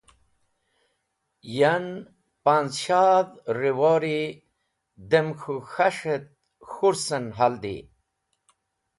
Yan, panz̃shadh rẽwori dem k̃hũ k̃has̃h et k̃hurs en haldi.